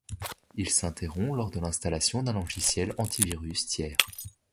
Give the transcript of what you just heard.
Il s'interrompt lors de l'installation d'un logiciel antivirus tiers.